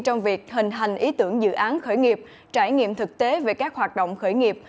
trong việc hình hành ý tưởng dự án khởi nghiệp trải nghiệm thực tế về các hoạt động khởi nghiệp